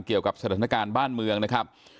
เกี่ยวกับสถานการณ์บ้านเมืองนะครับ